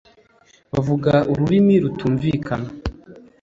bavuga ururimi rutumvikana